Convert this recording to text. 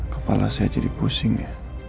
kepala saya jadi pusing ya